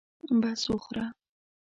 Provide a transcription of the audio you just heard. بس وخوره.